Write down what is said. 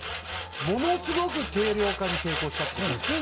ものすごく軽量化に成功したっていうことですね